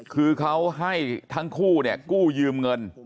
คือเขาให้ทั้งคู่เนี่ยกู้ยืมเงิน